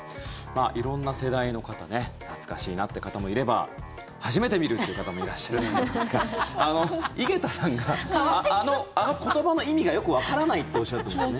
色んな世代の方懐かしいなって方もいれば初めて見るっていう方もいらっしゃると思うんですが井桁さんが、あの言葉の意味がよくわからないとおっしゃってますね。